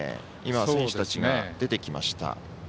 選手たちが出てきました。